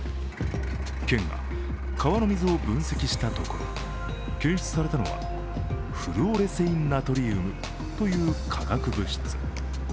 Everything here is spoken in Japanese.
県が川の水を分析したところ検出されたのはフルオレセインナトリウムという化学物質。